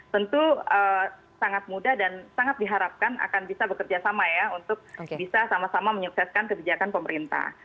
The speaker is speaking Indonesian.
tentu sangat mudah dan sangat diharapkan akan bisa bekerja sama ya untuk bisa sama sama menyukseskan kebijakan pemerintah